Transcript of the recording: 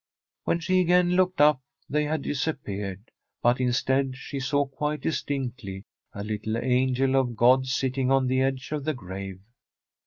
When she again looked up they had disap peared, but instead she saw quite distinctly a little angel of God sitting on the edge of the grave.